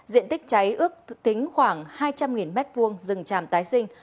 diện tích cháy ước tính khoảng hai trăm linh m hai rừng tràm tái sinh